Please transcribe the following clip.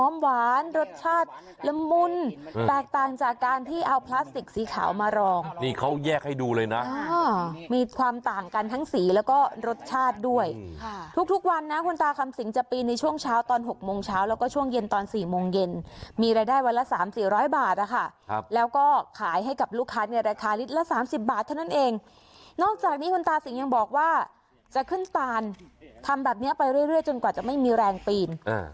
ค่ะทุกทุกวันนะคุณตาคำสิงห์จะปีนในช่วงเช้าตอนหกโมงเช้าแล้วก็ช่วงเย็นตอนสี่โมงเย็นมีรายได้วันละสามสี่ร้อยบาทอะค่ะครับแล้วก็ขายให้กับลูกค้าในราคาลิตละสามสิบบาทเท่านั้นเองนอกจากนี้คุณตาสิงห์ยังบอกว่าจะขึ้นตานทำแบบเนี้ยไปเรื่อยเรื่อยจนกว่าจะไม่มีแรงปีน